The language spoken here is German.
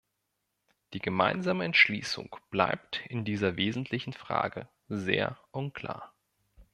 Die gemeinsame Entschließung bleibt in dieser wesentlichen Frage sehr unklar.